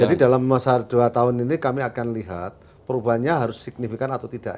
jadi dalam masa dua tahun ini kami akan lihat perubahannya harus signifikan atau tidak